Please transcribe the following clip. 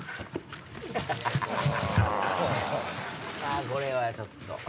あこれはちょっと。